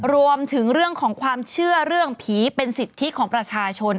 รวมถึงเรื่องของความเชื่อเรื่องผีเป็นสิทธิของประชาชน